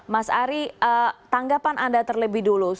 mas ari tanggapan anda terlebih dulu